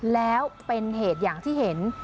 แล้วเป็นเหตุอย่างที่เห็น